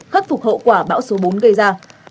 khắc phục hậu quả bão số bốn gây ra